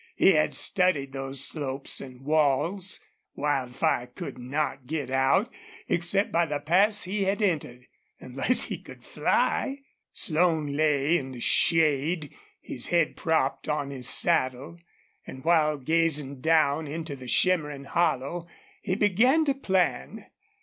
He had studied those slopes and walls. Wildfire could not get out, except by the pass he had entered, unless he could fly. Slone lay in the shade, his head propped on his saddle, and while gazing down into the shimmering hollow he began to plan.